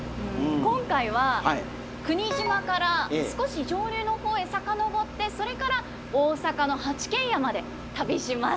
今回は柴島から少し上流の方へ遡ってそれから大阪の八軒家まで旅します。